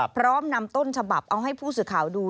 พร้อมนำต้นฉบับเอาให้ผู้สื่อข่าวดู